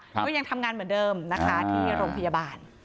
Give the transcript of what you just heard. ก็ยังทำงานเหมือนเดิมนะคะที่โรงพยาบาล